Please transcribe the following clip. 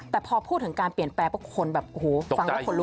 แต่พอพูดถึงการเปลี่ยนแปลงเพราะคนแบบโอ้โหฟังแล้วขนลุก